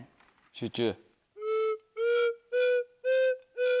集中。